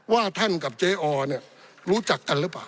ว่าท่านกับเจ๊ออเนี่ยรู้จักกันหรือเปล่า